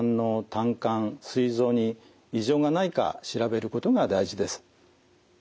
・胆管すい臓に異常がないか調べることが大事です。